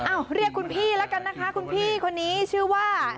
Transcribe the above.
เรียกคุณพี่แล้วกันนะคะคุณพี่คนนี้ชื่อว่า